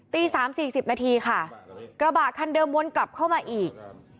ตี๓๔๐นาทีค่ะกระบะคันเดิมวนกลับเข้ามาอีก